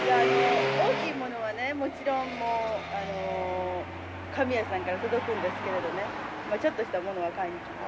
大きいものはねもちろん紙屋さんから届くんですけれどねちょっとしたものは買いに行きます。